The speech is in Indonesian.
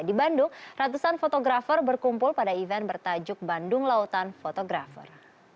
di bandung ratusan fotografer berkumpul pada event bertajuk bandung lautan fotografer